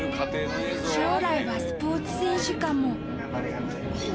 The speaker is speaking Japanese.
将来はスポーツ選手かも。